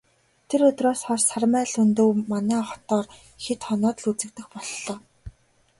Тэр өдрөөс хойш Сармай Лхүндэв манай хотоор хэд хоноод л үзэгдэх боллоо.